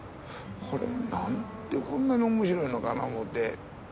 これなんでこんなに面白いのかな思って。